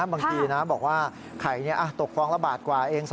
บางทีนะบอกว่าไข่ตกฟองละบาทกว่าเอง